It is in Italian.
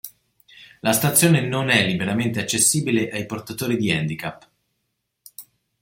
La stazione non è liberamente accessibile ai portatori di handicap.